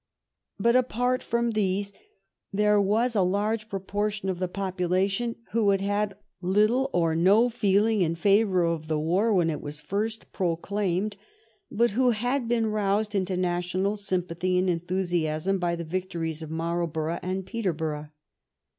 But apart from these there was a large proportion of the population who had had little or no feeling in favor of the war when it was first proclaimed, but who had been roused into national sympathy and enthusiasm by the victories of Marl borough and Peterborough.